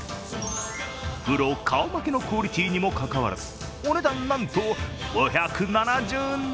プロ顔負けのクオリティーにもかかわらず、お値段なんと５７２円。